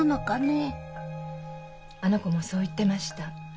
あの子もそう言ってました。